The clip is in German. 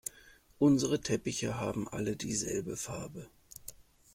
Unsere Teppiche haben alle dieselbe Farbe.